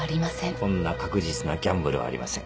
こんな確実なギャンブルはありません。